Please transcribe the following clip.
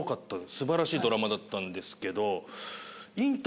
素晴らしいドラマだったんですけど。